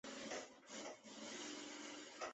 而赫梅尔尼茨基的大军一直都在向西进发。